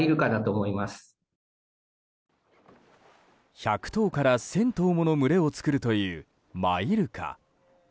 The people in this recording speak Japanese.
１００頭から１０００頭もの群れを作るというマイルカ。